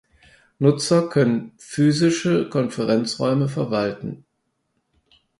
Nutzer können physische Konferenzräume verwalten.